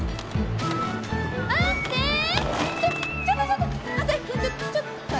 ちょっとちょっと！